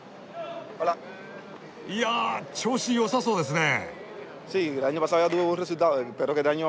いやあ調子よさそうですね！